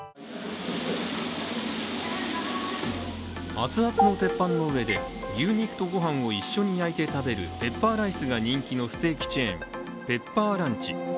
アツアツの鉄板の上で牛肉とご飯を一緒に焼いて食べるペッパーライスが人気のステーキチェーン・ペッパーランチ。